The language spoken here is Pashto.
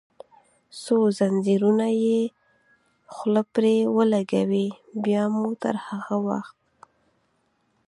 څو زنځیرونه یې خوله پرې ولګوي، بیا مو تر هغه وخت.